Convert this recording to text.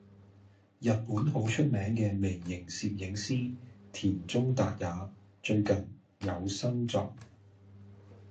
日本好出名嘅微型攝影師田中達也最近有新作